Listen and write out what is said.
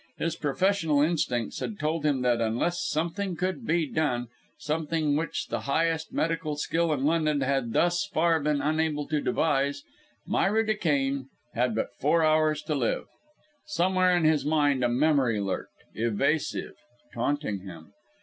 His professional instincts had told him that unless something could be done something which the highest medical skill in London had thus far been unable to devise Myra Duquesne had but four hours to live. Somewhere in his mind a memory lurked, evasive, taunting him.